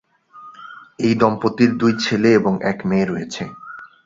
এই দম্পতির দুই ছেলে এবং এক মেয়ে রয়েছে।